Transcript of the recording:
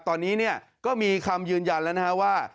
ตอนนี้ก็มีคำยืนยันแล้วนะฮะว่า